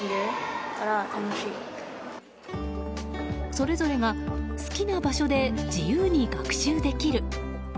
それぞれが好きな場所で自由に学習できる。